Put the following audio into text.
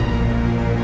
tebak magas di loya